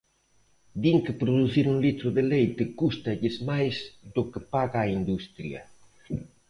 Din que producir un litro de leite cústalles máis do que paga a industria.